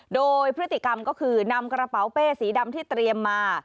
โดยพฤติกรรมก็คือนำกระเป๋าเป้สีดำที่เตรียมมา